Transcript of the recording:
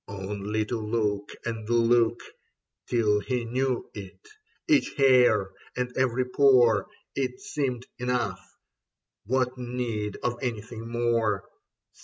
Only to look and look, Till he knew it, each hair and every pore — It Seemed enough : what need of anything more